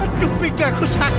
aduh pikir aku sakit